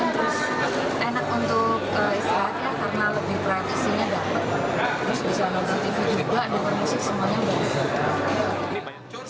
terus bisa nonton tv juga di luar musik semuanya boleh